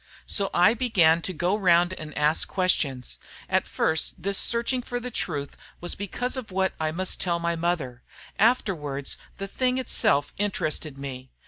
"So I began to go round and ask questions. At first this searching for the truth was because of what I must tell my mother; afterwards the thing itself interested me.